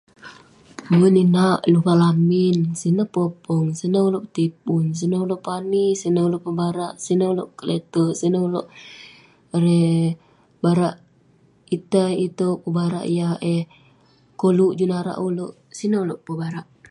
Nyelongen inak ; luvang lamin. Sineh popeng, sineh ulouk petipun, sineh ulouk pani, sineh ulouk pebarak, sineh ulouk keleterk. Barak itei itouk, pebarak yah eh koluk juk narak ulouk. Sineh ulouk pebarak.